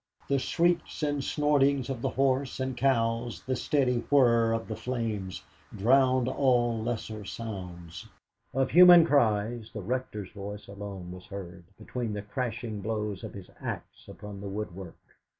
The shrieks and snortings of the horse and cows, the steady whirr of the flames, drowned all lesser sounds. Of human cries, the Rector's voice alone was heard, between the crashing blows of his axe upon the woodwork.